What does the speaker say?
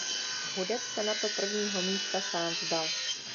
Hudec se nato prvního místa sám vzdal.